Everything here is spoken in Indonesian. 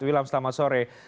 wilam selamat sore